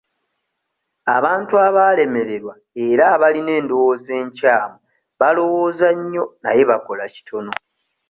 Abantu abaalemererwa era abalina endowooza enkyamu balowooza nnyo naye bakola kitono.